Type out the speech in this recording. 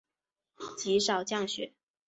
极少降雪。